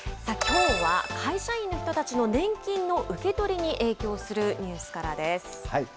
きょうは、会社員の人たちの年金の受け取りに影響するニュースからです。